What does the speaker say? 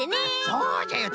そうじゃよ